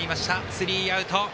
スリーアウト。